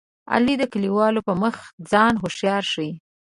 علي د کلیوالو په مخ ځان هوښیار ښيي.